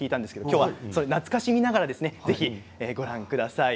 今日懐かしみながらご覧ください。